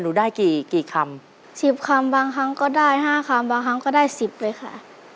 ได้กี่กี่คำสิบคำบางครั้งก็ได้ห้าคำบางครั้งก็ได้สิบเลยค่ะ